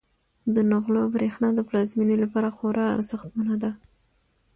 د نغلو برښنا د پلازمینې لپاره خورا ارزښتمنه ده.